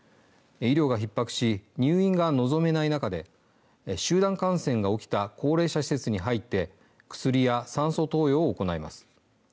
医療がひっ迫し入院が望めない中で集団感染が起きた高齢者施設に入って薬や酸素投与を行います。